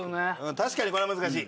確かにこれは難しい。